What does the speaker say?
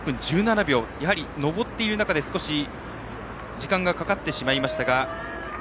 やはり上っている中で少し時間がかかってしまいました。